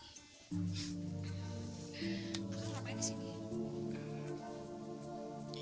eh apa yang ada di sini